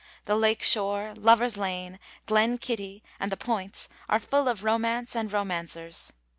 The lake shore, 'Lovers' Lane,' 'Glen Kitty' and the 'Points' are full of romance and romancers.